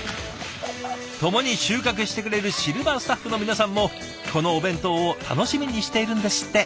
共に収穫してくれるシルバースタッフの皆さんもこのお弁当を楽しみにしているんですって！